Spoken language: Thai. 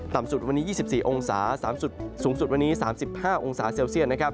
สุดวันนี้๒๔องศาสูงสุดวันนี้๓๕องศาเซลเซียต